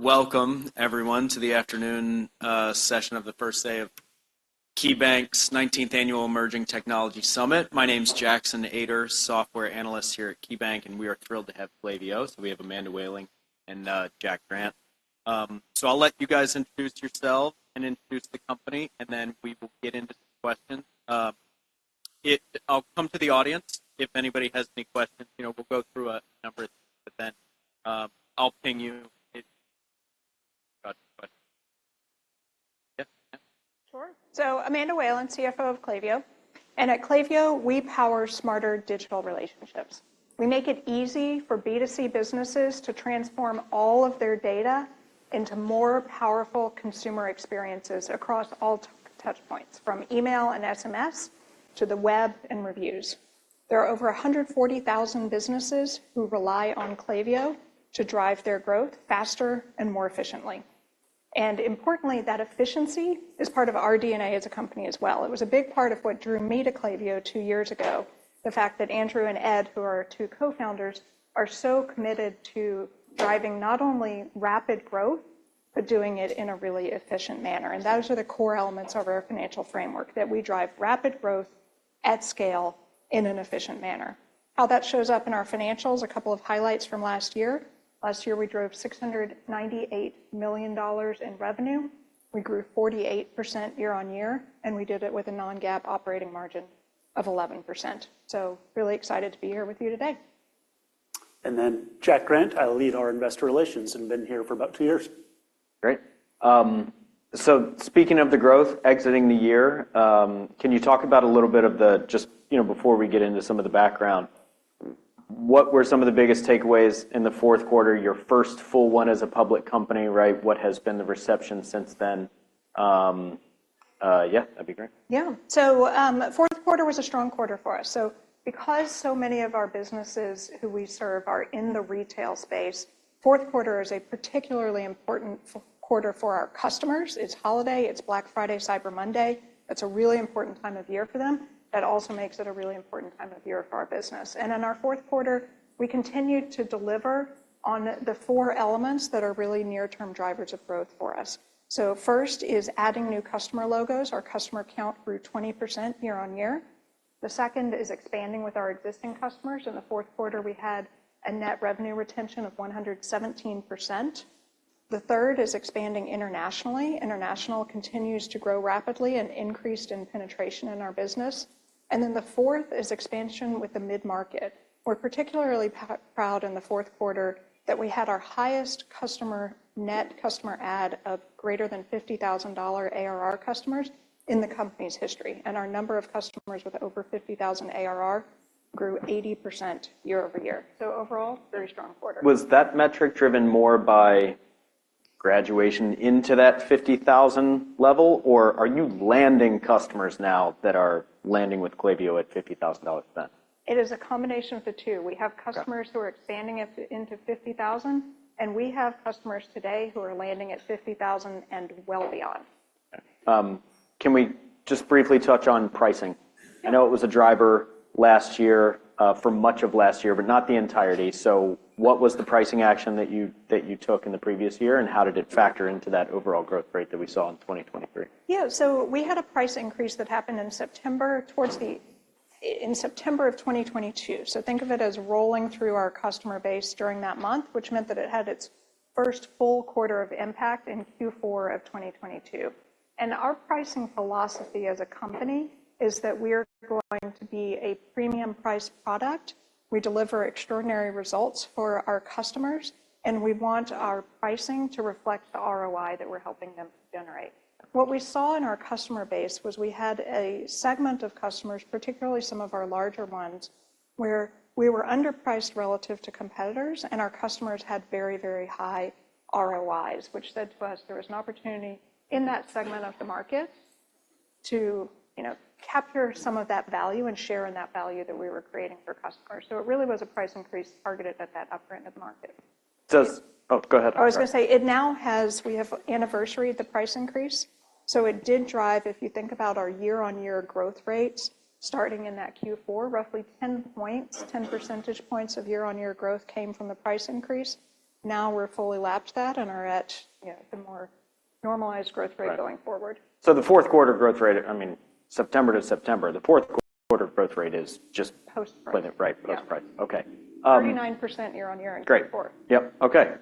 Welcome, everyone, to the afternoon session of the first day of KeyBank's 19th Annual Emerging Technology Summit. My name's Jackson Ader, software analyst here at KeyBank, and we are thrilled to have Klaviyo, so we have Amanda Whalen and Jack Grant. So I'll let you guys introduce yourselves and introduce the company, and then we will get into some questions. I'll come to the audience. If anybody has any questions, you know, we'll go through a number of things, but then I'll ping you if you got any questions. Yeah, yeah. Sure. So Amanda Whalen, CFO of Klaviyo. At Klaviyo, we power smarter digital relationships. We make it easy for B2C businesses to transform all of their data into more powerful consumer experiences across all touchpoints, from email and SMS to the web and reviews. There are over 140,000 businesses who rely on Klaviyo to drive their growth faster and more efficiently. Importantly, that efficiency is part of our DNA as a company as well. It was a big part of what drew me to Klaviyo two years ago, the fact that Andrew and Ed, who are our two co-founders, are so committed to driving not only rapid growth, but doing it in a really efficient manner. Those are the core elements of our financial framework, that we drive rapid growth at scale in an efficient manner. How that shows up in our financials, a couple of highlights from last year. Last year we drove $698 million in revenue. We grew 48% year-over-year, and we did it with a non-GAAP operating margin of 11%. So really excited to be here with you today. And then, Jack Grant. I lead our investor relations and been here for about two years. Great. So speaking of the growth exiting the year, can you talk about a little bit of the just, you know, before we get into some of the background, what were some of the biggest takeaways in the fourth quarter, your first full one as a public company, right? What has been the reception since then? Yeah, that'd be great. Yeah. So, fourth quarter was a strong quarter for us. So because so many of our businesses who we serve are in the retail space, fourth quarter is a particularly important quarter for our customers. It's holiday. It's Black Friday, Cyber Monday. That's a really important time of year for them. That also makes it a really important time of year for our business. And in our Q4, we continue to deliver on the four elements that are really near-term drivers of growth for us. So first is adding new customer logos. Our customer count grew 20% year-over-year. The second is expanding with our existing customers. In the fourth quarter, we had a net revenue retention of 117%. The third is expanding internationally. International continues to grow rapidly and increased in penetration in our business. And then the fourth is expansion with the mid-market. We're particularly proud in the fourth quarter that we had our highest net customer add of greater than $50,000 ARR customers in the company's history. Our number of customers with over 50,000 ARR grew 80% year-over-year. Overall, very strong quarter. Was that metric driven more by graduation into that 50,000 level, or are you landing customers now that are landing with Klaviyo at $50,000 spend? It is a combination of the two. We have customers who are expanding into 50,000, and we have customers today who are landing at 50,000 and well beyond. Okay. Can we just briefly touch on pricing? I know it was a driver last year, for much of last year, but not the entirety. So what was the pricing action that you took in the previous year, and how did it factor into that overall growth rate that we saw in 2023? Yeah. So we had a price increase that happened in September of 2022. So think of it as rolling through our customer base during that month, which meant that it had its first full quarter of impact in Q4 of 2022. And our pricing philosophy as a company is that we are going to be a premium-priced product. We deliver extraordinary results for our customers, and we want our pricing to reflect the ROI that we're helping them generate. What we saw in our customer base was we had a segment of customers, particularly some of our larger ones, where we were underpriced relative to competitors, and our customers had very, very high ROIs, which said to us there was an opportunity in that segment of the market to, you know, capture some of that value and share in that value that we were creating for customers. So it really was a price increase targeted at that upper end of the market. Oh, go ahead. Oh, I was going to say, now we have anniversaried the price increase. So it did drive, if you think about our year-on-year growth rates starting in that Q4, roughly 10 points, 10 percentage points of year-on-year growth came from the price increase. Now we're fully lapped that and are at, you know, the more normalized growth rate going forward. Right. So the fourth quarter growth rate, I mean, September to September, the fourth quarter growth rate is just with it, right? Post-price. Right. Post-price. Okay. 39% year-over-year in Q4. Great. Yep. Okay.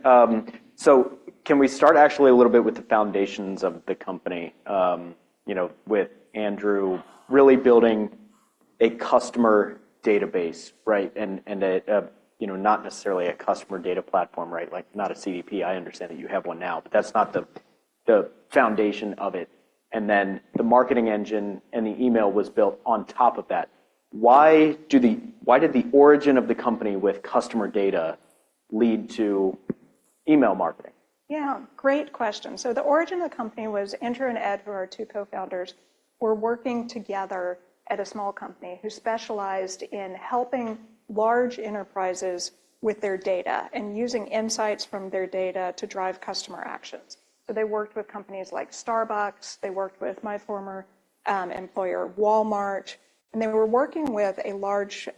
Can we start actually a little bit with the foundations of the company, you know, with Andrew really building a customer database, right, and a, you know, not necessarily a customer data platform, right, like not a CDP. I understand that you have one now, but that's not the foundation of it. And then the marketing engine and the email was built on top of that. Why did the origin of the company with customer data lead to email marketing? Yeah. Great question. So the origin of the company was Andrew and Ed, who are our two co-founders, were working together at a small company who specialized in helping large enterprises with their data and using insights from their data to drive customer actions. So they worked with companies like Starbucks. They worked with my former employer, Walmart. And they were working with a large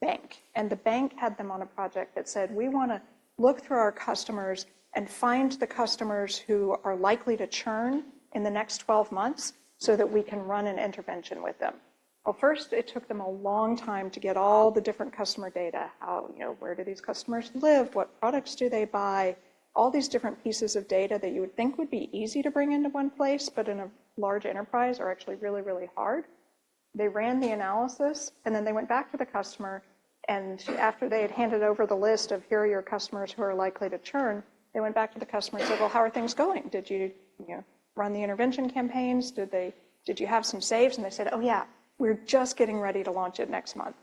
bank. The bank had them on a project that said, "We want to look through our customers and find the customers who are likely to churn in the next 12 months so that we can run an intervention with them." Well, first, it took them a long time to get all the different customer data, how, you know, where do these customers live, what products do they buy, all these different pieces of data that you would think would be easy to bring into one place, but in a large enterprise are actually really, really hard. They ran the analysis, and then they went back to the customer. And after they had handed over the list of, "Here are your customers who are likely to churn," they went back to the customer and said, "Well, how are things going? Did you, you know, run the intervention campaigns? Did they did you have some saves?" And they said, "Oh, yeah. We're just getting ready to launch it next month."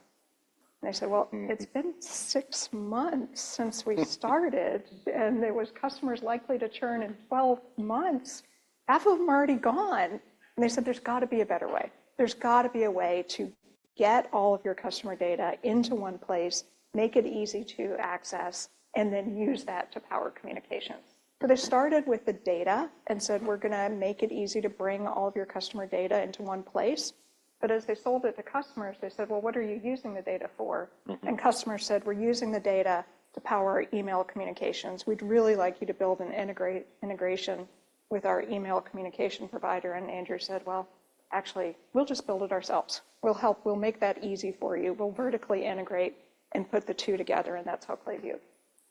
And they said, "Well, it's been six months since we started, and there was customers likely to churn in 12 months. Half of them are already gone." And they said, "There's got to be a better way. There's got to be a way to get all of your customer data into one place, make it easy to access, and then use that to power communications." So they started with the data and said, "We're going to make it easy to bring all of your customer data into one place." But as they sold it to customers, they said, "Well, what are you using the data for?" And customers said, "We're using the data to power our email communications. We'd really like you to build an integration with our email communication provider." Andrew said, "Well, actually, we'll just build it ourselves. We'll help. We'll make that easy for you. We'll vertically integrate and put the two together." That's how Klaviyo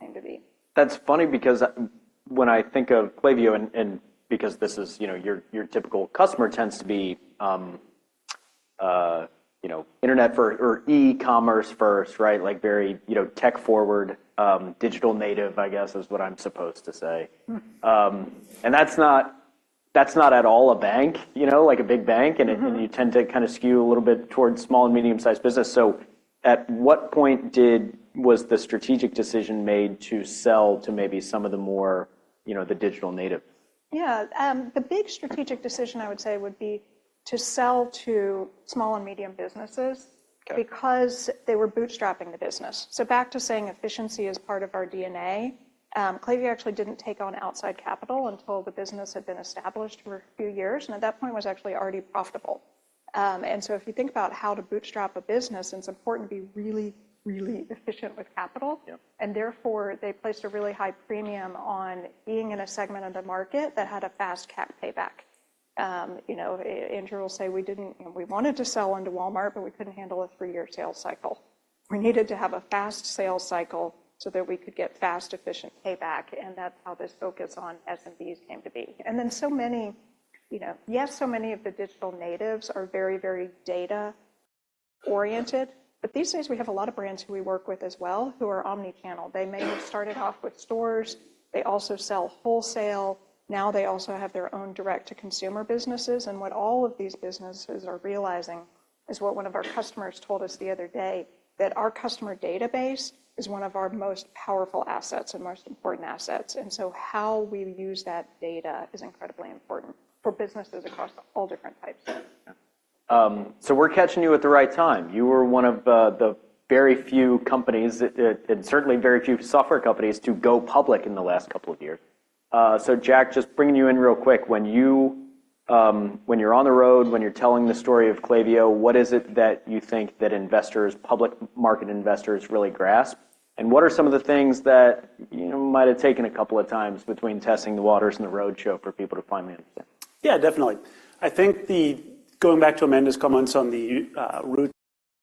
came to be. That's funny because when I think of Klaviyo and because this is, you know, your typical customer tends to be, you know, internet-first or e-commerce-first, right, like very, you know, tech-forward, digital-native, I guess, is what I'm supposed to say. And that's not at all a bank, you know, like a big bank, and you tend to kind of skew a little bit towards small and medium-sized business. So at what point did was the strategic decision made to sell to maybe some of the more, you know, the digital-native? Yeah. The big strategic decision, I would say, would be to sell to small and medium businesses because they were bootstrapping the business. So back to saying efficiency is part of our DNA, Klaviyo actually didn't take on outside capital until the business had been established for a few years. And at that point, it was actually already profitable. And so if you think about how to bootstrap a business, it's important to be really, really efficient with capital. And therefore, they placed a really high premium on being in a segment of the market that had a fastCAC payback. You know, Andrew will say we didn't, you know, we wanted to sell into Walmart, but we couldn't handle a three-year sales cycle. We needed to have a fast sales cycle so that we could get fast, efficient payback. And that's how this focus on SMBs came to be. And then so many, you know, yes, so many of the digital natives are very, very data-oriented, but these days, we have a lot of brands who we work with as well who are omnichannel. They may have started off with stores. They also sell wholesale. Now they also have their own direct-to-consumer businesses. And what all of these businesses are realizing is what one of our customers told us the other day, that our customer database is one of our most powerful assets and most important assets. And so how we use that data is incredibly important for businesses across all different types. Yeah, so we're catching you at the right time. You were one of the very few companies that, and certainly very few software companies to go public in the last couple of years. So Jack, just bringing you in real quick, when you're on the road, when you're telling the story of Klaviyo, what is it that you think that investors, public market investors, really grasp? And what are some of the things that, you know, might have taken a couple of times between testing the waters and the roadshow for people to finally understand? Yeah, definitely. I think the going back to Amanda's comments on the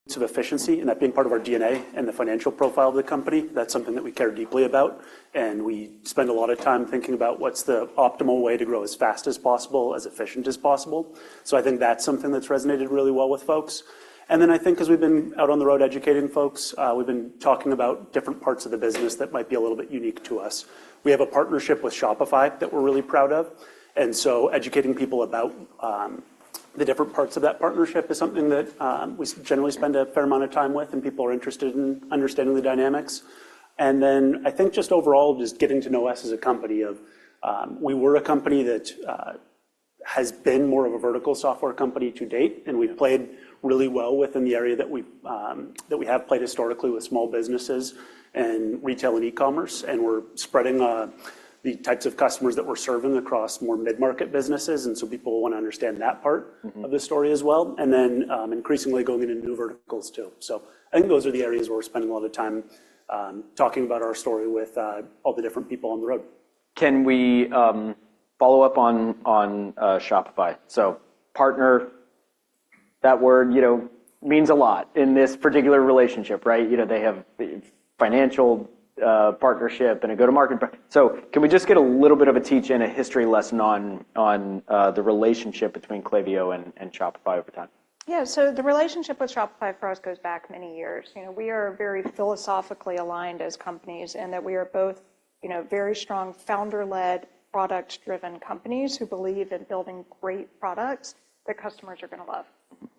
roots of efficiency and that being part of our DNA and the financial profile of the company, that's something that we care deeply about. And we spend a lot of time thinking about what's the optimal way to grow as fast as possible, as efficient as possible. So I think that's something that's resonated really well with folks. And then I think because we've been out on the road educating folks, we've been talking about different parts of the business that might be a little bit unique to us. We have a partnership with Shopify that we're really proud of. And so educating people about the different parts of that partnership is something that we generally spend a fair amount of time with, and people are interested in understanding the dynamics. And then I think just overall, just getting to know us as a company. We were a company that has been more of a vertical software company to date. And we've played really well within the area that we have played historically with small businesses and retail and e-commerce. And we're spreading the types of customers that we're serving across more mid-market businesses. And so people want to understand that part of the story as well. And then, increasingly going into new verticals too. So I think those are the areas where we're spending a lot of time talking about our story with all the different people on the road. Can we follow up on Shopify? So partner, that word, you know, means a lot in this particular relationship, right? You know, they have the financial partnership and a go-to-market. So can we just get a little bit of a teach-in, a history lesson on the relationship between Klaviyo and Shopify over time? Yeah. So the relationship with Shopify for us goes back many years. You know, we are very philosophically aligned as companies in that we are both, you know, very strong founder-led, product-driven companies who believe in building great products that customers are going to love.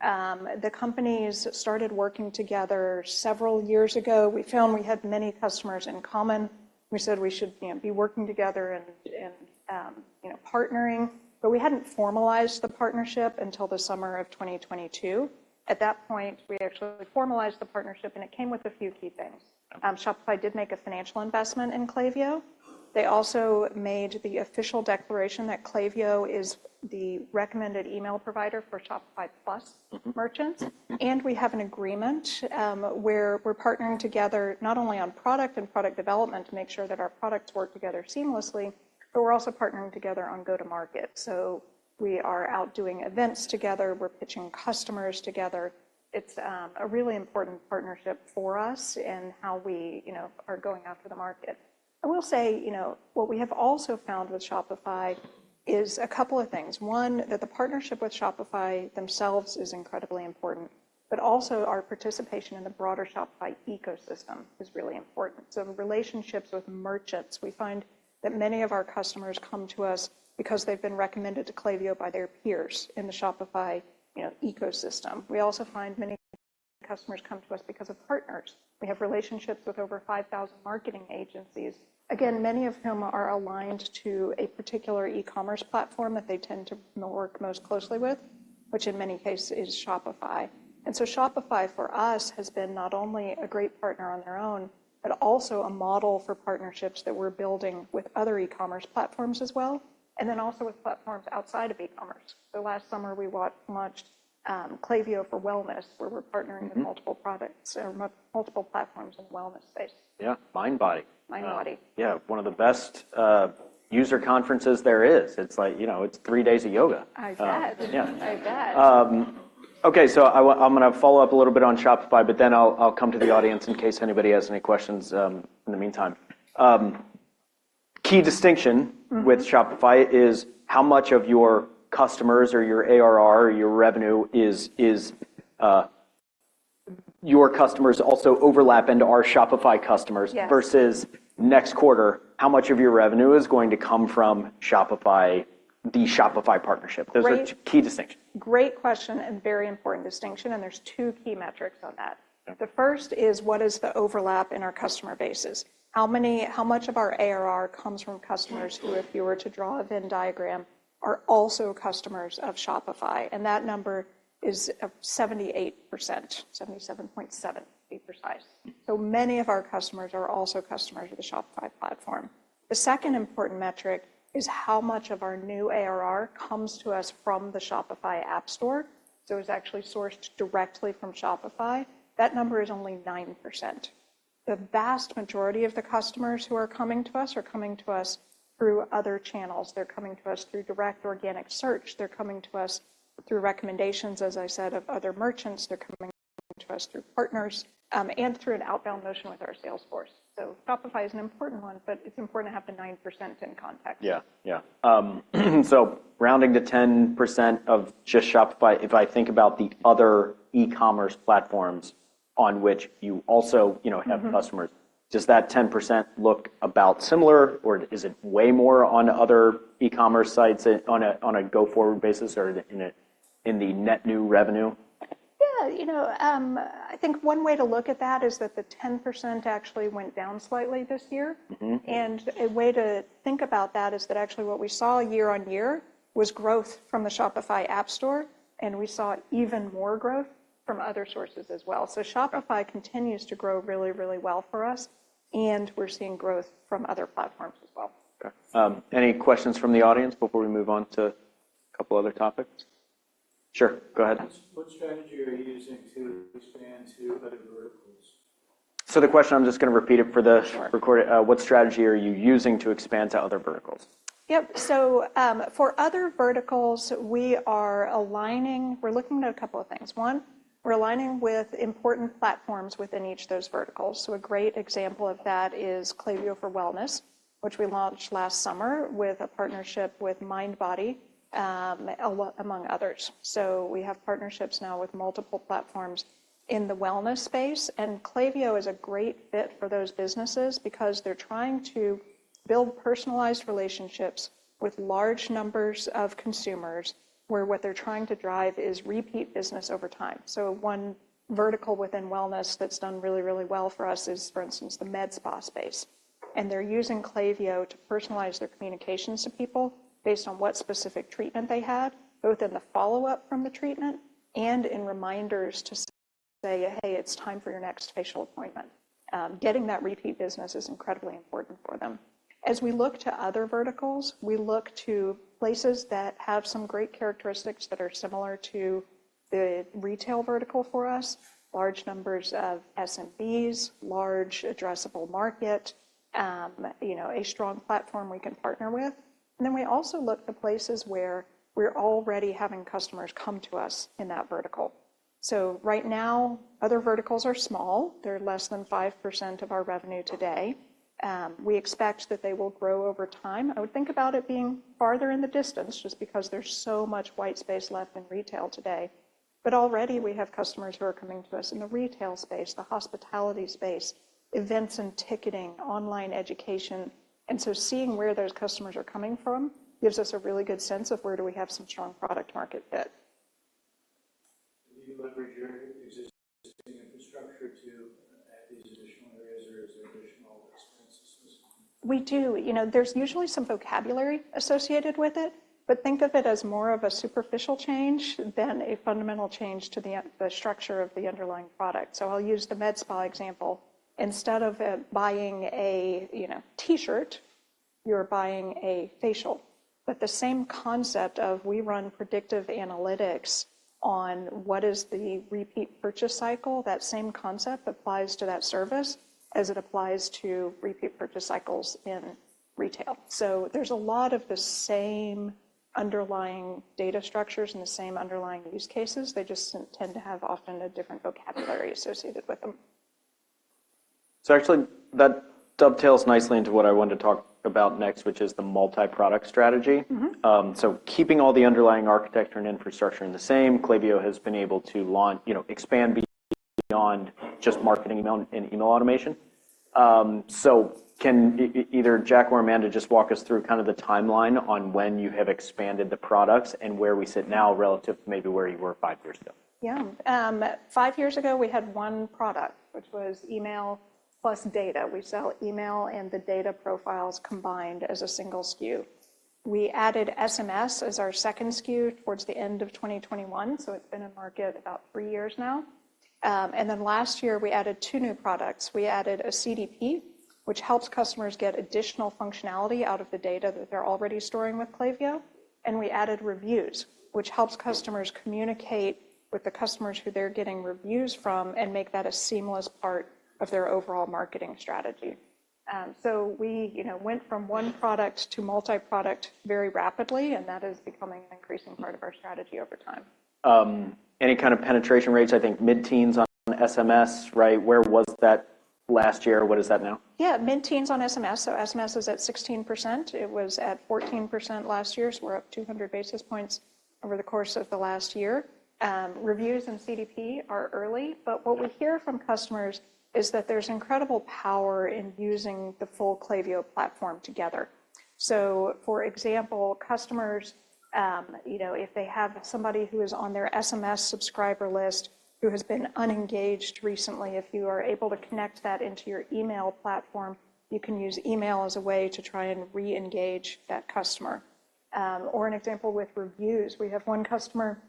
The companies started working together several years ago. We found we had many customers in common. We said we should, you know, be working together and, you know, partnering. But we hadn't formalized the partnership until the summer of 2022. At that point, we actually formalized the partnership, and it came with a few key things. Shopify did make a financial investment in Klaviyo. They also made the official declaration that Klaviyo is the recommended email provider for Shopify Plus merchants. We have an agreement, where we're partnering together not only on product and product development to make sure that our products work together seamlessly, but we're also partnering together on go-to-market. So we are out doing events together. We're pitching customers together. It's a really important partnership for us in how we, you know, are going after the market. I will say, you know, what we have also found with Shopify is a couple of things. One, that the partnership with Shopify themselves is incredibly important, but also our participation in the broader Shopify ecosystem is really important. So relationships with merchants. We find that many of our customers come to us because they've been recommended to Klaviyo by their peers in the Shopify, you know, ecosystem. We also find many customers come to us because of partners. We have relationships with over 5,000 marketing agencies, again, many of whom are aligned to a particular e-commerce platform that they tend to work most closely with, which in many cases is Shopify. And so Shopify for us has been not only a great partner on their own, but also a model for partnerships that we're building with other e-commerce platforms as well, and then also with platforms outside of e-commerce. So last summer, we launched Klaviyo for Wellness, where we're partnering with multiple products or multiple platforms in the wellness space. Yeah. Mindbody. Mindbody. Yeah. One of the best user conferences there is. It's like, you know, it's three days of yoga. I bet. Yeah. I bet. Okay. So, I'm going to follow up a little bit on Shopify, but then I'll come to the audience in case anybody has any questions in the meantime. Key distinction with Shopify is how much of your customers or your ARR or your revenue is your customers also overlap into our Shopify customers versus next quarter, how much of your revenue is going to come from Shopify, the Shopify partnership. There's a key distinction. Great question and very important distinction. And there's two key metrics on that. The first is what is the overlap in our customer bases? How many, how much of our ARR comes from customers who, if you were to draw a Venn diagram, are also customers of Shopify? And that number is 78%, 77.7%, to be precise. So many of our customers are also customers of the Shopify platform. The second important metric is how much of our new ARR comes to us from the Shopify App Store. So it's actually sourced directly from Shopify. That number is only 9%. The vast majority of the customers who are coming to us are coming to us through other channels. They're coming to us through direct organic search. They're coming to us through recommendations, as I said, of other merchants. They're coming to us through partners, and through an outbound motion with our sales force. So Shopify is an important one, but it's important to have the 9% in context. Yeah. Yeah. Rounding to 10% of just Shopify, if I think about the other e-commerce platforms on which you also, you know, have customers, does that 10% look about similar, or is it way more on other e-commerce sites on a go-forward basis or in the net new revenue? Yeah. You know, I think one way to look at that is that the 10% actually went down slightly this year. A way to think about that is that actually what we saw year-on-year was growth from the Shopify App Store. We saw even more growth from other sources as well. Shopify continues to grow really, really well for us. We're seeing growth from other platforms as well. Okay. Any questions from the audience before we move on to a couple of other topics? Sure. Go ahead. What strategy are you using to expand to other verticals? The question, I'm just going to repeat it for the recording. What strategy are you using to expand to other verticals? Yep. So, for other verticals, we are aligning, we're looking at a couple of things. One, we're aligning with important platforms within each of those verticals. So a great example of that is Klaviyo for Wellness, which we launched last summer with a partnership with Mindbody, among others. So we have partnerships now with multiple platforms in the wellness space. And Klaviyo is a great fit for those businesses because they're trying to build personalized relationships with large numbers of consumers where what they're trying to drive is repeat business over time. So one vertical within wellness that's done really, really well for us is, for instance, the med spa space. And they're using Klaviyo to personalize their communications to people based on what specific treatment they had, both in the follow-up from the treatment and in reminders to say, "Hey, it's time for your next facial appointment." Getting that repeat business is incredibly important for them. As we look to other verticals, we look to places that have some great characteristics that are similar to the retail vertical for us, large numbers of SMBs, large addressable market, you know, a strong platform we can partner with. And then we also look to places where we're already having customers come to us in that vertical. So right now, other verticals are small. They're less than 5% of our revenue today. We expect that they will grow over time. I would think about it being farther in the distance just because there's so much white space left in retail today. Already, we have customers who are coming to us in the retail space, the hospitality space, events and ticketing, online education. So seeing where those customers are coming from gives us a really good sense of where do we have some strong product-market fit. Do you leverage your existing infrastructure to add these additional areas, or is there additional expense associated with it? We do. You know, there's usually some vocabulary associated with it, but think of it as more of a superficial change than a fundamental change to the structure of the underlying product. So I'll use the med spa example. Instead of buying a, you know, T-shirt, you're buying a facial. But the same concept of we run predictive analytics on what is the repeat purchase cycle, that same concept applies to that service as it applies to repeat purchase cycles in retail. So there's a lot of the same underlying data structures and the same underlying use cases. They just tend to have often a different vocabulary associated with them. So actually, that dovetails nicely into what I wanted to talk about next, which is the multi-product strategy. Keeping all the underlying architecture and infrastructure the same, Klaviyo has been able to launch, you know, expand beyond just marketing email and email automation. Can either Jack or Amanda just walk us through kind of the timeline on when you have expanded the products and where we sit now relative to maybe where you were five years ago? Yeah. five years ago, we had 1 product, which was email plus data. We sell email and the data profiles combined as a single SKU. We added SMS as our second SKU towards the end of 2021. So it's been in market about three years now. And then last year, we added two new products. We added a CDP, which helps customers get additional functionality out of the data that they're already storing with Klaviyo. And we added reviews, which helps customers communicate with the customers who they're getting reviews from and make that a seamless part of their overall marketing strategy. So we, you know, went from one product to multi-product very rapidly, and that is becoming an increasing part of our strategy over time. Any kind of penetration rates? I think mid-teens on SMS, right? Where was that last year, or what is that now? Yeah. Mid-teens on SMS. So SMS was at 16%. It was at 14% last year. So we're up 200 basis points over the course of the last year. Reviews and CDP are early, but what we hear from customers is that there's incredible power in using the full Klaviyo platform together. So for example, customers, you know, if they have somebody who is on their SMS subscriber list who has been unengaged recently, if you are able to connect that into your email platform, you can use email as a way to try and re-engage that customer. Or an example with Reviews, we have one customer,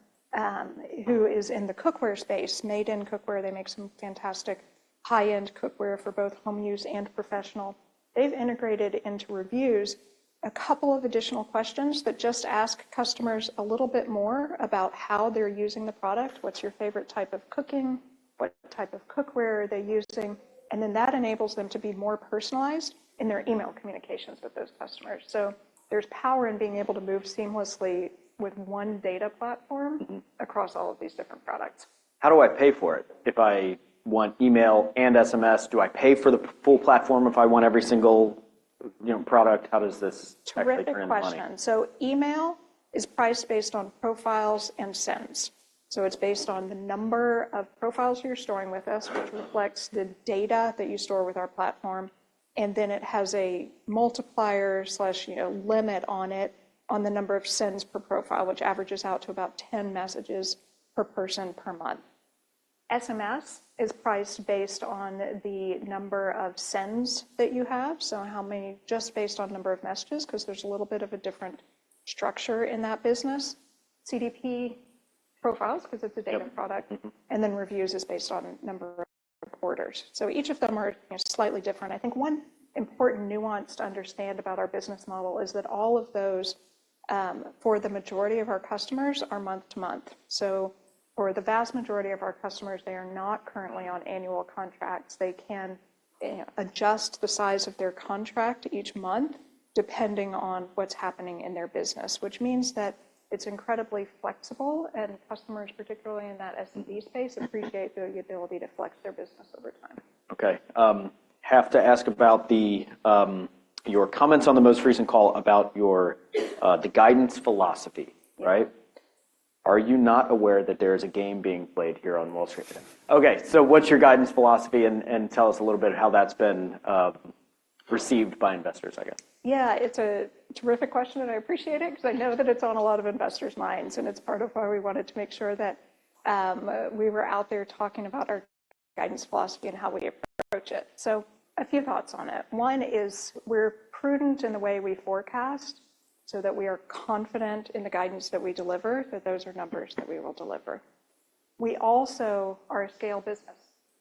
who is in the cookware space, Made In Cookware. They make some fantastic high-end cookware for both home use and professional. They've integrated into reviews a couple of additional questions that just ask customers a little bit more about how they're using the product, what's your favorite type of cooking, what type of cookware are they using, and then that enables them to be more personalized in their email communications with those customers. So there's power in being able to move seamlessly with one data platform across all of these different products. How do I pay for it? If I want email and SMS, do I pay for the full platform if I want every single, you know, product? How does this actually turn in money? Terrific question. So email is priced based on profiles and sends. So it's based on the number of profiles you're storing with us, which reflects the data that you store with our platform. And then it has a multiplier/limit on it, on the number of sends per profile, which averages out to about 10 messages per person per month. SMS is priced based on the number of sends that you have, so how many, just based on number of messages, because there's a little bit of a different structure in that business. CDP profiles, because it's a data product, and then reviews is based on number of orders. So each of them are slightly different. I think one important nuance to understand about our business model is that all of those, for the majority of our customers, are month-to-month. So for the vast majority of our customers, they are not currently on annual contracts. They can, you know, adjust the size of their contract each month depending on what's happening in their business, which means that it's incredibly flexible. And customers, particularly in that SMB space, appreciate the ability to flex their business over time. Okay. Have to ask about your comments on the most recent call about the guidance philosophy, right? Are you not aware that there is a game being played here on Wall Street? Okay. So what's your guidance philosophy? And tell us a little bit how that's been received by investors, I guess. Yeah. It's a terrific question, and I appreciate it because I know that it's on a lot of investors' minds, and it's part of why we wanted to make sure that, we were out there talking about our guidance philosophy and how we approach it. So a few thoughts on it. One is we're prudent in the way we forecast so that we are confident in the guidance that we deliver, that those are numbers that we will deliver. We also are a scale business.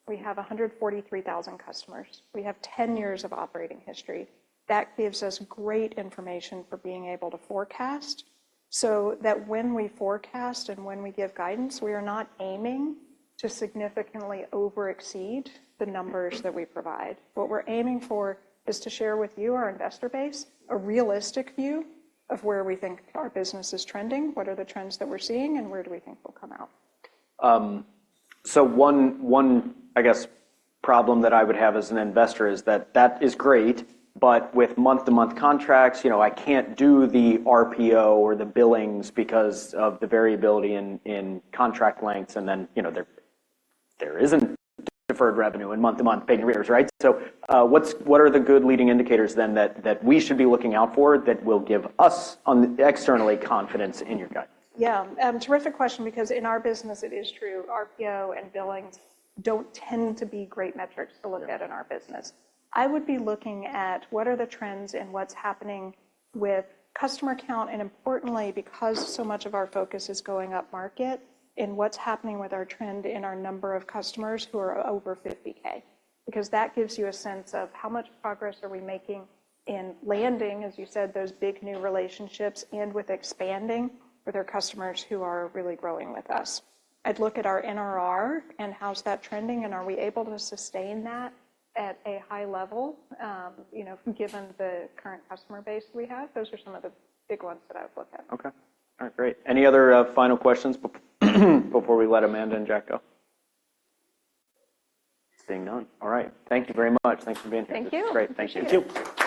We have 143,000 customers. We have 10 years of operating history. That gives us great information for being able to forecast so that when we forecast and when we give guidance, we are not aiming to significantly overexceed the numbers that we provide. What we're aiming for is to share with you, our investor base, a realistic view of where we think our business is trending, what are the trends that we're seeing, and where do we think we'll come out. One problem that I would have as an investor is that that is great, but with month-to-month contracts, you know, I can't do the RPO or the billings because of the variability in contract lengths, and then, you know, there isn't deferred revenue in month-to-month paying reverse, right? What are the good leading indicators then that we should be looking out for that will give us externally confidence in your guidance? Yeah. Terrific question because in our business, it is true. RPO and billings don't tend to be great metrics to look at in our business. I would be looking at what are the trends and what's happening with customer count, and importantly, because so much of our focus is going up market, in what's happening with our trend in our number of customers who are over 50K, because that gives you a sense of how much progress are we making in landing, as you said, those big new relationships and with expanding with our customers who are really growing with us. I'd look at our NRR and how's that trending, and are we able to sustain that at a high level, you know, given the current customer base we have? Those are some of the big ones that I would look at. Okay. All right. Great. Any other final questions before we let Amanda and Jack go? Seeing none. All right. Thank you very much. Thanks for being here. Thank you. That's great. Thank you. You too.